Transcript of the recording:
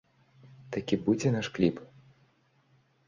Такі будзе наш кліп.